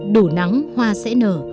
đủ nắng hoa sẽ nở